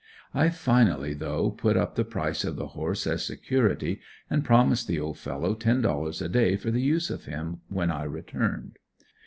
I finally though put up the price of the horse as security and promised the old fellow ten dollars a day for the use of him, when I returned.